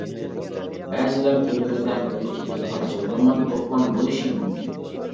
بەزىلەر ئۆمرىدە بىر ئىككى پارچە رومان ئوقۇغان بولۇشى مۇمكىن.